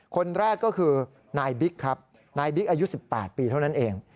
คนแรกก็คือนายบิ๊กครับนายบิ๊กอายุ๑๘ปีเท่านั้นเอง